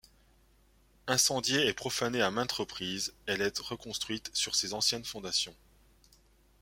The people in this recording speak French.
Incendiée et profanée à maintes reprises, elle est reconstruite sur ses anciennes fondations.